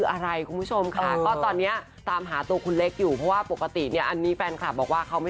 อ้าวบำรุงร่างกายนะ